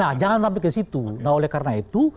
nah jangan sampai ke situ nah oleh karena itu